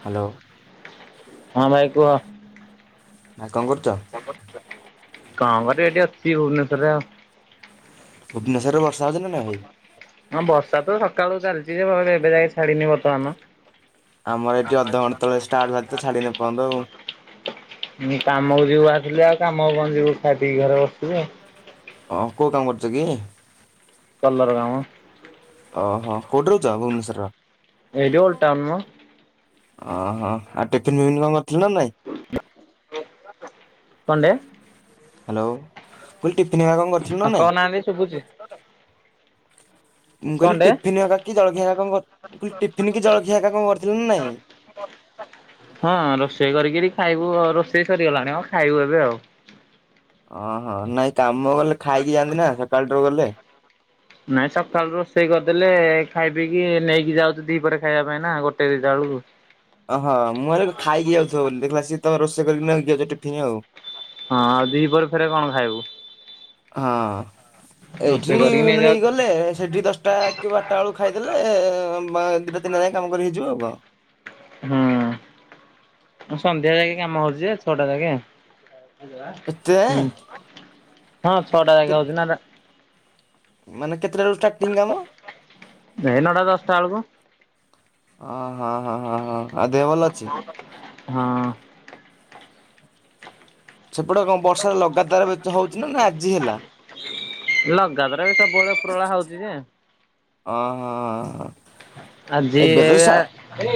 Hello ହଁ ଭାଇ କୁହ ଭାଇ କଣ କରୁଛ? କଣ କରୁଛ? କଣ କରିବି ଏଠି ଅଛି ଭୁବନେଶ୍ୱରରେ ଭୁବନେଶ୍ୱରରେ ବର୍ଷା ହେଉଛି ନା ନାଇ ହଁ ବର୍ଷା ତ ସକାଳୁ ଚାଲିଛି ଯେ ଏବେ ଯାଇକି ଛାଡିିନି ବର୍ତ୍ତମାନ ଆମର ଏଠି ଅଧଘଣ୍ଟା ତଳେ ଷ୍ଟାର୍ଟ ବାଜି ତ ଛାଡ଼ିନି ଏପର୍ଯ୍ୟନ୍ତ ଆଉ ମୁ କାମକୁ ଯିବୁ ବାହିରିଥିଲି ଆଉ କାମକୁ କଣ ଯିବୁ ଖାଇ ପିଇ ଘରେ ବସିବୁ ଆଉ ହଁ କଉ କାମ କରୁଛ କି? କଲର କାମ ଓହୋ କୋଉଠି ରହୁଛ ଭୁବନେଶ୍ୱର? ଏଇଠି ଉଲଟ ଟାଉନ ମ ଓହୋ ଆଉ ଟିଫିନ ଫିଫିନ କଣ କରିଥିଲ ନା ନାଇଁ କଣ୍ଡେ ହ୍ୟାଲୋ କହିଲି ଟିଫିନି ଆଃ କଣ କରିଥିଲୁ ନା ହଁ ନାଇ କହୁନାହାନ୍ତି ଶୁଭୁଛି। ମୁଁ କହିଲି କଣଟେ ଟିଫିନ୍ ଏକା କି ଜଳଖିଆ କା କଣ କହିଲି ଟିଫିନ୍ କି ଜଳଖିଆ ଏକା କଣ କରିଥିଲେ ନା ନାଇଁ ହଁ ରୋଷେଇ କରିକିରି ଖାଇବୁ ରୋଷେଇ ସରିଗଲାଣି ମ ଖାଇବୁ ଏବେ ଆଉ ଓହୋ ନାଇଁ କାମ ଗଲେ ଖାଇକି ଯାଆନ୍ତି ନା ସକାଳଟାରୁ ଗଲେ ନାଇଁ ସକାଳୁ ରୋଷେଇ କରିଦେଲେ ଖାଇ ପିଇ କିି ନେଇକି ଯାଉଛୁ ଦି ପରେ ଖାଇବା ପାଇଁ ନା ଗୋଟେ ଦିଟା ବେଳକୁ ଓହଁ ମୁଁ କହିଲି ଖାଇକି ଯାଉଥିବ ବୋଲି ଦେଖିଲା ସିଏ ତ ରୋଷେଇ କରିକି ନେଇକି ଯାଉଛି ଟିଫିନି ଆଉ ହଁ ଆଉ ଦି ପରେ ଫେରେ କଣ ଖାଇବୁ ହଁ ରୋଷେଇ ଏଇଠି କରିକି ନେଇଯାଉ ନେଇଗଲେ ସେଠି ଦଶଟା କିବାରଟା ବେଳୁ ଖାଇଦେଲେ ବା ଦିଟା ତିନି ଟା ଯାଇ କାମ କରି ହେଇଯିବ ଆଉ କଣ ହୁଁ ସନ୍ଧ୍ୟା ଯାଇକେ କାମ ହଉଛି ଯେ ଛଅଟା ଯାକେ ଏତେ ହୁଁ ହଁ ଛଅଟା କେ ଜାଗେ ହଉଛି ନା ରା ମାନେ କେତେଟା ରୁ ଷ୍ଟାଟିଂ କାମ? ଏଇ ନଟା ଦଷ୍ଟା ବେଳକୁ ଓ ହଁ ହଁ ହଁ ହଁ ଆଉ ଦେହ ଭଲ ଅଛି ହଁ ସେପଟେ କଣ ବର୍ଷା ଲଗାଦାର ବେ ହୋଉଚିନା ନା ଆଜି ହେଲା। ଲଗାତାରା କେତେ ସବୁବେଳେ ଉପବେଳା ହଉଛି ଯେ ଓ ହଁଁ ଆଜିି ଏବେ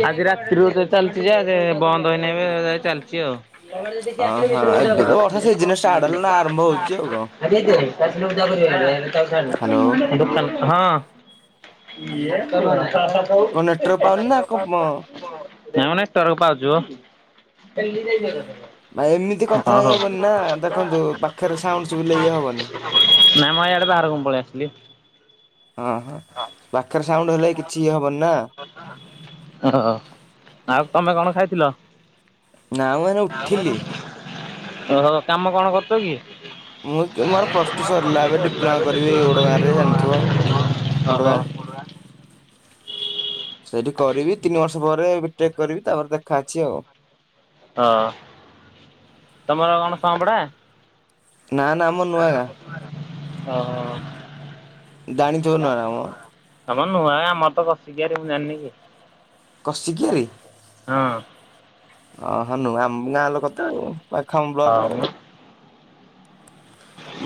ଆଜି ରାତିରୁ ଅଧେ ଚାଲିଛି ଯେ ଆଜି ବନ୍ଦ ହେଇନି ଏବେ ଯାଇଚାଲିଛି ଆଉ ତୋମର ଯଦି ଓହୋ ଏବେ ତ ବର୍ଷା ସିଜିନ ଷ୍ଟାର୍ଟ ହେଲା ନା ଆରମ୍ଭ ହଉଛି ଆଉ କଣ। କିଏ ହ୍ୟାଲୋ [unintelligible] [unintelligible] ହଁ। [unintelligible] ନାଇଁ କଣ ନେଟୱାର୍କ ପାଉନି ନା କଣ ମ ମ ନେଟ୍ ୱର୍କ ପାଉଚୁ। ହ ଭାଇ ଏମିତି କଥା ହେଇ ହଉ। [inaudible] ହବନି ନା ଦେଖନ୍ତୁ ପାଖରେ ସାଉଣ୍ଡ ଶୁଭିଲେ ଇଏ ହବନି। ନାଇଁ ମ ଇଆଡେ ବାହାରକୁ ମୁଁ ପଳେଇ ଆସିଲି। ହଁ ହଁ ପାଖରେ ସାଉଣ୍ଡ୍ ହେଲେ କିଛି ଇଏ ହବନି ନା? ଆଉ ତମେ କଣ ଖାଇଥିଲ? ନା ମୁଁ ଏଇନା ଉଠିଲି। [inaudible] ଓ କାମ କଁ କରୁଚ କି? ମୁଁ ତ ମୋର ପ୍ଲସ୍ ଟୁ ସରିଲା ଏବେ ଡିପ୍ଲୋମା କରିବି ଓଡ଼ ଗାଁ ରେ ଜାଣିଥିବ। ଓଡ ଓହୋ ଗାଁ। ସେଠି କରିବି ତିନି ବର୍ଷ ପରେ ବି ଟେକ୍ କରିବି ତାପରେ ଦେଖା ଅଛି ଆଉ। ହ ତମର କଣ ସଁ ପଡା। ନା ନା ମ୍ [inaudible] ହ ଜାଣିଥିବ ନୂଆ ଗାଁ ମ ହ। ତମର ନୂଆଁଗା ଆମର ତ କସିକିଆ ରେ ମୁଁ ଜାଣିନି କି। କସିକ୍ୟାରି? ହଁ। ଅ ହ ନୁଆ ମ ଗାଁ ଲୋକ ତ ଆଉ ପାଖ ଆମ ବ୍ଲକ୍ ହଁ ଆଉ। ମୁଁ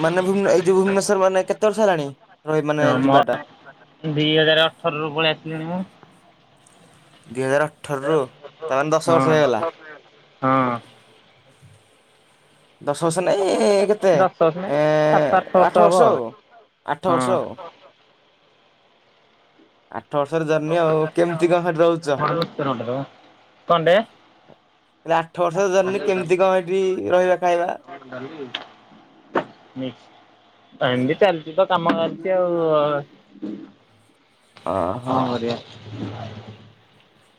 ମାନେ ଭୁବନ୍ ଏଇ ଯୋଉ ଭୁବନେଶ୍ୱର ମାନେ କେତେ ବର୍ଷ ହେଲାଣି ରହି ମାନେ ମୋ ଜିବା ଟା? ଦି ହଜାର ଅଠରରୁ ପଳେଇ ଆସିଲିଣି ମୁଁ। ଦି ହଜାର ଅଠରରୁ ତାମାନେ ଦଶ ବର୍ଷ ହେଇଗଲା ହଁ। ହଁ [unintelligible] ଦଶ ବର୍ଷ ନାଇଁ ଏ କେତେ ଦଶ ବର୍ଷ ନାଇଁ ଏଁ ସାତ ଆଠ ହବ ବର୍ଷ ଆଉ ଆଠ ବର୍ଷ ଆଉ। ଆଠ ବର୍ଷର ଜର୍ଣ୍ଣି ଆଉ କେମ୍ ତି କଁ ସେଠି ରହୁଚ? ହଁ। କଣଟେ ଆଠ ବର୍ଷ ଜର୍ଣ୍ଣି କେମ୍ ତି କଁ ସେଠି ରହିବା ଖାଇବା? [inaudible] ଟାଇମିଲି୍ ଚ଼ା ଚାଲିଚ଼ିତ [inaudible] କାମ ଚାଲିଚ଼ି ଆଉ। ଅ ହ। [inaudible]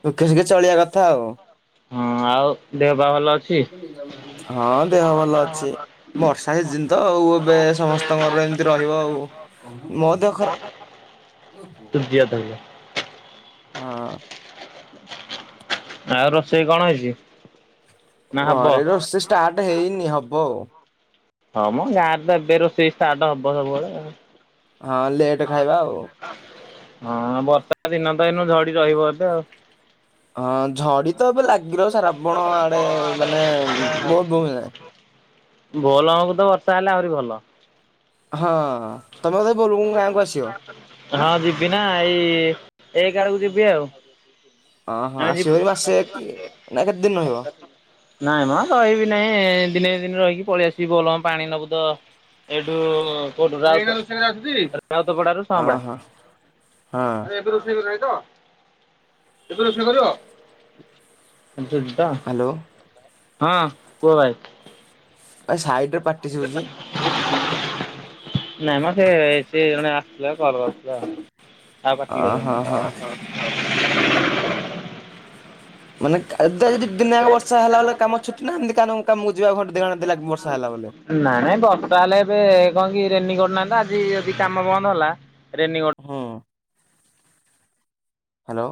ଦୁଖେ ସୁୁଖେ ଚଳିଆ କଥା ଆଉ। ହଁ ଆଉ ଦେହ ପା ଭଲ ଅଛି? ହଁ ଦେହ ଭଲ ଅଛି। ବର୍ଷା ସିଜିନ୍ ତ ଆଉ ଏବେ ସମସ୍ତଙ୍କର ଏମ୍ ତି ରହିବ ଆଉ ମୋ ଦେହ ଖରା ଓହୋ। ଶୁଧିଆ [inaudible] ହଁ। ଆଉ ରୋଷେଇ କଣ ହେଇଚି? ଘରେ ରୋଷେଇ ଷ୍ଟାର୍ଟ ହେଇନି ହବ ଆଉ। ହଁ ମ ହିୟାର୍ ତ ଏବେ ରୋଷେଇ ଷ୍ଟାର୍ଟ ହବ ସବୁବେଳେ ଆଉ। ହଁ ଲେଟ୍। ଖାଇବା ଆଉ [inaudible] ହଁ ବର୍ଷା ଦିନତ ଏନୁ ଝଡି ରହିବ ଏବେ ଆଉ। ହଁ ଝଡି ତ ଏବେ ଲାଗି ରହିବ ଶ୍ରାବଣ ଆଡେ ମାନେ ବହୁତ୍ ଦୁନ୍ ଯାଏଁ। ବୋଲବମ ତ ବର୍ଷା ହେଲେ ଆହୁରି ଭଲ। ହଁ। ତମେ ବୋଧେ ବୋଲବମ୍ ଗାଁକୁ ଆସିବ [inaudible] ହଁ ଯିବିନା ଏଇ ଏକ ଆଡକୁ ଯିବି ଆଉ। ଓହୋ ହଁ ଆସିବ ଏଇ ମାସେ କି ନା କେତେ ଦିନ ରହିବ [unintelligible] ନାଇଁ ମା ରହିବି ନାହିଁ ଦିନେ ଦିଦିନି ରହିକି ପଳେଇଆସିବି ବୋଲ୍ ବମ୍ ପାଣି ନବୁତ ଏଇଠୁ କୋଉଠୁ [unintelligible] ରାଉତପଡାରୁ ହଁ ବା ଓହୋ ହଁ ଆରେ ଏବେ ରୋଷେଇ କରିବାନାହିଁ ତ? ଏବେ ରୋସେଇ କରିବ? [unintelligible] ହ୍ୟାଲୋ। ହଁ କୁହ ଭାଇ? ଭାଇ ସାଇଡରେ ପାଟି ଶୁଭୁଛି। [unintelligible] [inaudible] ନାଇଁମ ସେ ସେ ଜଣେ ଆସିଥିଲେ କଲ କରିଥିଲା ଆଉ। ଆଉ ବାକି ଓହୋ ରହେନି [inaudible] ହୋ ମାନେ କା ଯଦି ଦିନେ ଯାକ ବର୍ଷା ହେଲା ବଲେ କାମ ଛୁଟି ନା ଏମିତି କାମ କାମକୁ ଯିବା ଘଣ୍ଟେ ଦି ଘଣ୍ଟା ଦେଲା ବର୍ଷା ହେଲା ବଲେ। [inaudible] ନାଇଁ ବର୍ଷା ହେଲେ ଏବେ କଣକି ରେନିକୋର୍ଟ ନାହିଁତ ଆଜି ଯଦି କାମ ବନ୍ଦ ହେଲା ରେନିକୋର୍ଟ ହଁ। Hello.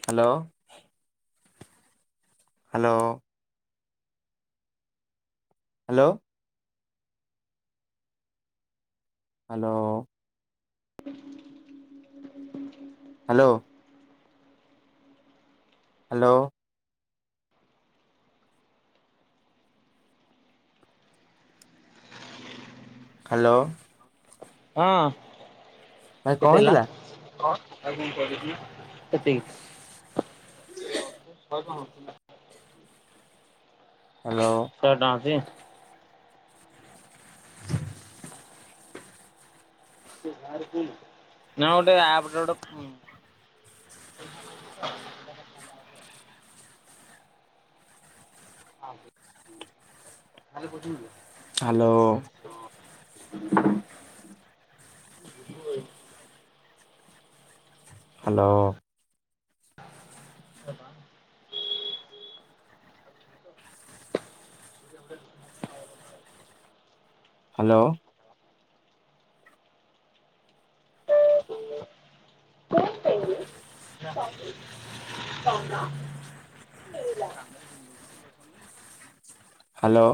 Hello. Hello. Hello. Hello. Hello. Hello. Hello. ହଁ ଭାଇ କଣ କେତେ ହେଲା ହେଇଥିଲା? [unintelligible] [unintelligible] ହ୍ୟାଲୋ। ଶହେ ଟଙ୍କା ଅଛି? [unintelligible] ନା ଗୋଟେ [unintelligible] [unintelligible] ହ୍ୟାଲୋ। [unintelligible] ହ୍ୟାଲୋ। ହ୍ୟାଲୋ। ହ୍ୟାଲୋ।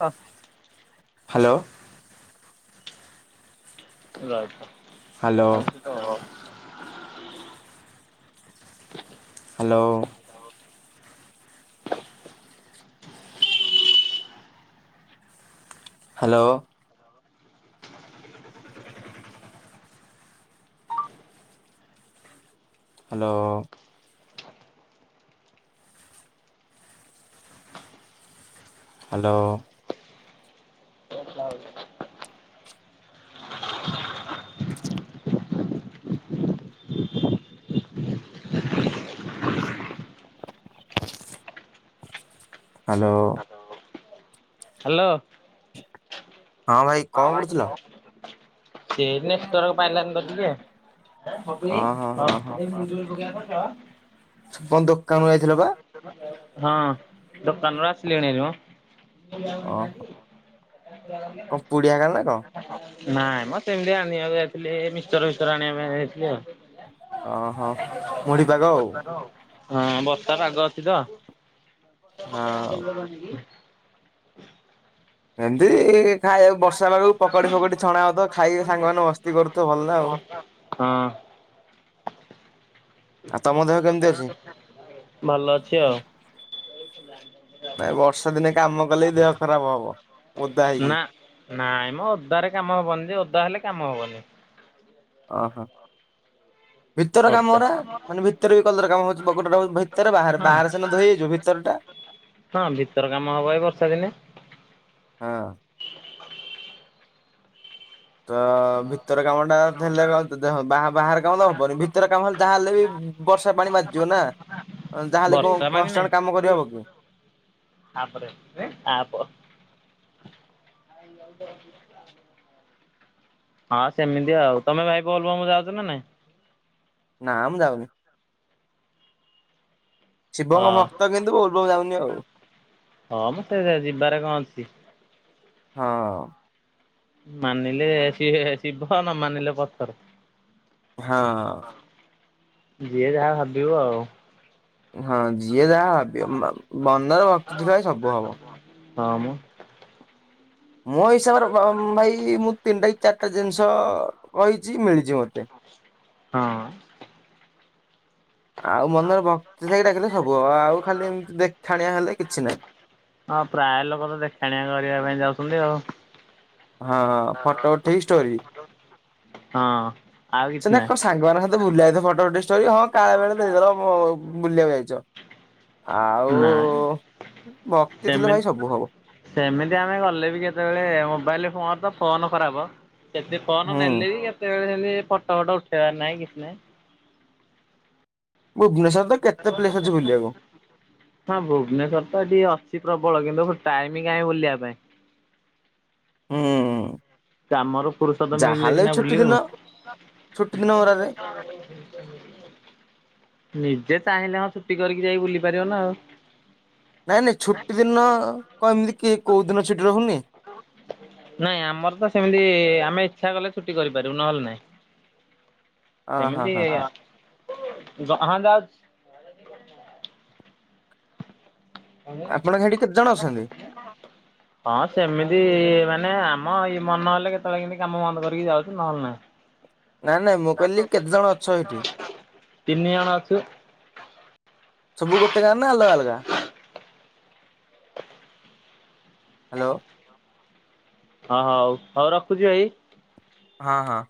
ହଁ। Hello. Hello hello [unintelligible] hello. Hello. Hello. Hello. [unintelligible] Hello. Hello. ହଁ ଭାଇ କଣ କରୁଥିଲ? [unintelligible] ଓହୋ ହଁ [unintelligible] କଁ ଦୋକାନକୁ ଯାଇଥିଲ ବା? ହଁ ଦୋକାନରୁ ଆସିଲିଣି ହେରି ଓହୋ ମ ଦୋକାନ ଖୋଲା ରଖିଲ କଣ ପୁଡିଆ କାମ କଣ? ନା? ନାଇଁ ମ ସେମିତି ଆଣିବାକୁ ଯାଇଥିଲି ମିକ୍ସର୍ ଫିକ୍ସର୍ ଆଣିବା ପାଇଁ ଯାଇଥିଲି ଆଉ। ଓ ହୋ ହଁ ବର୍ଷା ପାଗ ଅଛି ତ। ହଁ ଏମିତି ଖାଇଆକୁ ବର୍ଷା ପାଗକୁ ପକଡି ଫକଡି ଛଣା ହଉଥବ ଖାଇକି ସାଙ୍ଗମାନେ ମସ୍ତି କରୁଥିବେ ଭଲ ନା ଆଉ। ହଁ ଆଉ ତମ ଦେହ କେମିତି ଅଛି? ଭଲ ଅଛି ଆଉ। ନାଇ ବର୍ଷା ଦିନେ କାମ କଲେ ହିଁ ଦେହ ଖରାପ ହବ ଓଦା ହେଇକି। ନା ନାଇଁ ମ ଓଦାରେ କାମ ହବନି ଯେ ଓଦା ହେଲେ କାମ ହବନି। ଓହୋ ଭିତର ଓଦା କାମଗୁରା ମାନେ ଭିତରେ ବି କଲର କାମ ହଉଛି ବଗଟା ଭିତରେ ବାହାରେ ହଁ ବାହାରେ ସିନା ଧୋଇ ହେଇଯିବ ଭିତରେ ଭିତରଟା ହଁ ଭିତର କାମ ହବ ଏ ବର୍ଷା ଦିନେ। ହଁ ତ ଭିତର କାମ ଟା ଥେଲେ କ ବା ବାହର କାମ ତ ହବନି ଭିତର କାମ ଯାହାହେଲେ ବି ବର୍ଷା ପାଣି ବାଜିଯିବ ନା ଯାହାହେଲେ କଁ ବର୍ଷା ପାଣି କନଷ୍ଟାଣ୍ଟ୍ କାମ କରିହବ କି? ଆପ୍ ରେ ଗପିବେ ଆପ୍ ହ [unintelligible] ହଁ ସେମିତି ଆଉ ତମେ ଭାଇ ବୋଲ୍ ବମ୍ ଯାଉଛ ନା ନାଇଁ? ନାଁ ମୁଁ ଯାଉନି। ଶିବଙ୍କ ହଁ ଭକ୍ତ କିନ୍ତୁ ବୋଲ୍ ବମ୍ ଯାଉନି ଆଉ। ହଁ ମ ସେ ଯିବାରେ କଣ ଅଛି। ହଁ। ମାନିଲେ ସିଏ ଶିବ ନ ମାନିଲେ ପଥର। ହଁ ଯିଏ ଯାହା ଭାବିବ ଆଉ। ହଁ ଯିଏ ଯାହା ଭାବିବ ମ ମନରେ ଭକ୍ତି ଥିବ ହିଁ ସବୁ ହବ। ହମ ମୋ ହିସାବରେ ବ ଭାଇ ମୁଁ ତିନିଟା କି ଚାରିଟା ଜିନିଷ କହିଛି ମିଳିଛି ମତେ। ହଁ। ଆଉ ମନର ଭକ୍ତି ଥାଇଡାକିଲେ ସବୁ ହବ ଆଉ ଖାଲି ଏମିତି ଦେଖାଣିଆ ହେଲେ କିଛି ନାହିଁ। ହଁ ପ୍ରାୟ ଲୋକ ତ ଦେଖାଣିଆ କରିବା ପାଇଁ ଯାଉଛନ୍ତି ଆଉ। ହଁ ଫଟୋ ଉଠେଇକି ହଁ ଷ୍ଟୋରି। ଆଉ କିଛି ସିନା କଣ ନାହିଁ। ସାଙ୍ଗମାନଙ୍କ ସହିତ ସହ ବୁଲି ଯାଇଚ ଫଟୋ ଉଠେଇ ଷ୍ଟୋରି ହଁ କାଳେ ବେଳେ ଦେଇଦେଲ ବ ବୁଲିବାକୁ ଯାଇଛ। ଆଉ ନାହିଁ ନାଇଁ ଭକ୍ତି ଥିଲେ ସେମିତି ଭାଇ ସବୁ ହବ। ସେମିତି ଆମେ ଗଲେ ବି କେତେବେଳେ ମୋବାଇଲର ତ ଫୋନ ଖରାପ। ଯେତେ ଫୋନ୍ ହୁଁ ନେଲେ ବି କେତେବେଳେ ହେଲେ ଫଟୋ ଫଟ ଉଠେଇବାର ନାହିଁ କିଛି ନାହିଁ। ଭୁବନେଶ୍ୱର ନ ତ କେତେ ଭୁବନେଶ୍ବର ପ୍ଲେସ୍ ଅଛି ତ କେତେ ବୁଲିବାକୁ ହଁ ଭୁବନେଶ୍ଵର ତ ଏ ଟିକେ ଅଛି ପ୍ରବଳ କିନ୍ତୁ ଟାଇମ୍ କାହିଁ ବୁଲିବା ପାଇଁ। ହୁଁ। କାମରୁ ଫୁରୁସତ ମିଳିଲେ ଯାହାହେଲେ ସିନା ବି ଛୁଟି ବୁଲିବୁ ଦିନ ଛୁଟି ଦିନ ଧରାଯାଏ। ନିଜେ ଚାହିଁଲେ ହଁ ଛୁଟି କରିକି ଯାଇ ବୁଲି ପାରିବ ନା ଆଉ। ନାଇଁ ନାଇଁ ଛୁଟି ଦିନ କଣ ଏମିତି କି କୋଉ ଦିନ ଛୁଟି ରହୁନି। ନାଇଁ ଆମର ତ ସେମିତି ଆମେ ଇଚ୍ଛା କଲେ ଛୁଟି କରିପାରିବୁ ନହେଲେ ନାଇଁ। ଅ ହଁ ସେମିତି ହଁ ହଁ ହ ହଁ ଯାଉଚି। ଆପଣଙ୍କ ହେଟି କେତେଜଣ ଅଛନ୍ତି? ହଁ ସେମିତି ମାନେ ଆମ ଇ ମନ ହେଲେ କେତବଳେ କେମତି କାମ ବନ୍ଦ କରିକି ଯାଉଚୁ ନହେଲେ ନାଇଁ। ନାଇଁ ନାଇଁ ମୁଁ କହିଲି କେତେଜଣ ଅଛ ହେଟି? ତିନିଜଣ ଅଛୁ। ସବୁ ଗୋଟେ ଗାଁର ନା ଅଲଗା ଅଲଗା? ହାଲୋ। ହଁ ହଉ ହଉ ରଖୁଚି ଭାଇ। ହଁ ହଁ।